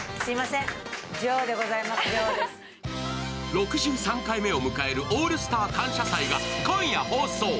６３回目を迎える「オールスター感謝祭」が今夜放送。